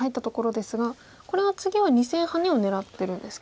これは次は２線ハネを狙ってるんですか。